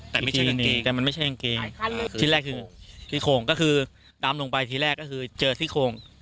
แต่ไม่ใช่กางเกงแต่มันไม่ใช่กางเกงที่แรกคือที่โคงก็คือดำลงไปทีแรกก็คือเจอที่โคง